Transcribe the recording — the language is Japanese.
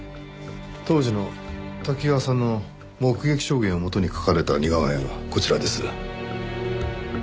当時の多岐川さんの目撃証言をもとに描かれた似顔絵がこちらです。